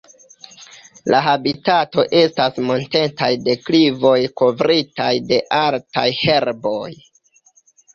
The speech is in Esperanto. La habitato estas montetaj deklivoj kovritaj de altaj herboj.